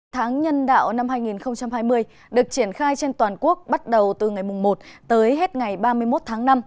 tháng nhân đạo năm hai nghìn hai mươi được triển khai trên toàn quốc bắt đầu từ ngày một tới hết ngày ba mươi một tháng năm